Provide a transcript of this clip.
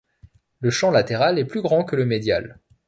Le champ latéral est plus grand que le médial.